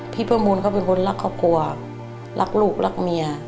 พี่ประมูลเขาเป็นคนรักครอบครัวรักลูกรักเมีย